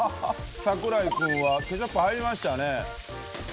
櫻井くんはケチャップ入りましたね。